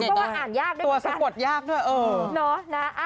ตัวสะกดยากด้วย